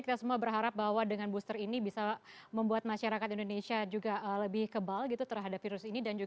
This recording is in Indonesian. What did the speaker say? kita semua berharap bahwa dengan booster ini bisa membuat masyarakat indonesia juga lebih kebal gitu terhadap virus ini